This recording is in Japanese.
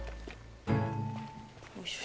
よいしょ。